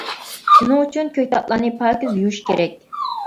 شۇنىڭ ئۈچۈن كۆكتاتلارنى پاكىز يۇيۇش كېرەك.